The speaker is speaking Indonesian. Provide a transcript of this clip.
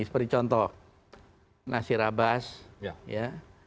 seperti contoh nasir abbas ya